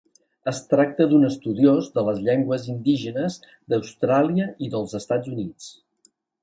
Es tracta d'un estudiós de les llengües indígenes d'Austràlia i dels Estats Units.